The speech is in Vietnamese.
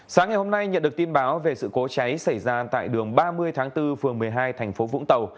sáng ngày hôm nay nhận được tin báo về sự cố cháy xảy ra tại đường ba mươi tháng bốn phường một mươi hai thành phố vũng tàu